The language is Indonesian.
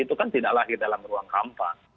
itu kan tidak lahir dalam ruang kampanye